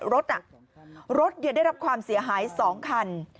รถรถได้รับความเสียหาย๒คัน